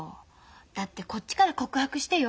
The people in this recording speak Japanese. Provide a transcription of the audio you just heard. だってこっちから告白してよ